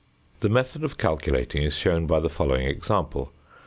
The method of calculating is shown by the following example.